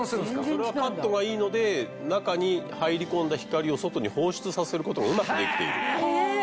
これはカットがいいので中に入り込んだ光を外に放出させることもうまくできている。